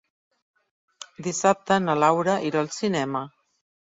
Dissabte na Laura irà al cinema.